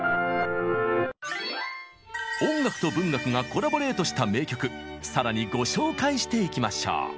音楽と文学がコラボレートした名曲更にご紹介していきましょう。